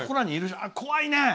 あれ、怖いね。